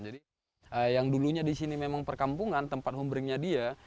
jadi yang dulunya di sini memang perkampungan tempat humringnya dia